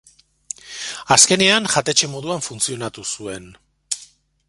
Azkenean, jatetxe moduan funtzionatu zuen.